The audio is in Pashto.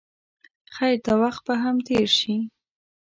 خیر دا وخت به هم تېر شي.